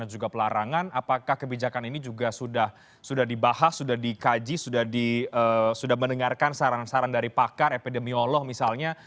dan juga pelarangan apakah kebijakan ini juga sudah dibahas sudah dikaji sudah mendengarkan saran saran dari pakar epidemiolog misalnya